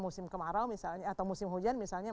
musim kemarau misalnya atau musim hujan misalnya